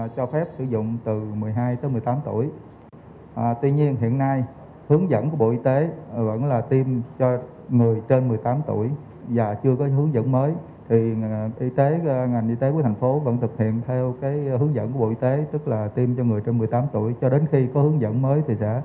cho đến khi có hướng dẫn mới thì sẽ thực hiện theo hướng dẫn mới